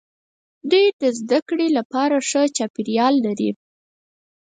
دوی د زده کړې لپاره ښه چاپیریال لري.